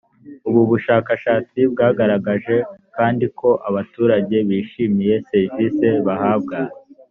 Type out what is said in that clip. ubu bushakashatsi bwagaragaje kandi ko abaturage bishimiye serivisi bahabwa.